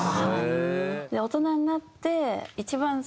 大人になって一番